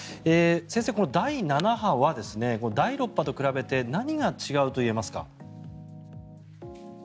先生、第７波は第６波と比べて何が違うと言えますか？